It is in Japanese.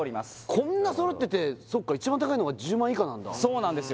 こんな揃っててそっか一番高いのが１０万以下なんだそうなんですよ